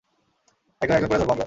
একজন একজন করে ধরব আমরা।